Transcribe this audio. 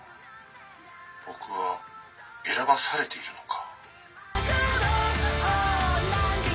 僕は選ばされているのか」。